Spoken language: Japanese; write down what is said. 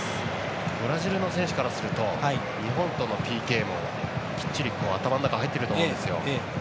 ブラジルの選手からすると日本とのＰＫも、きっちり頭の中、入っていると思うんですよ。